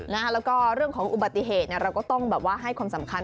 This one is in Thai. แล้วก็เรื่องของอุบัติเหตุเราก็ต้องแบบว่าให้ความสำคัญ